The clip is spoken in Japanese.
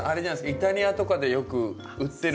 イタリアとかでよく売ってる。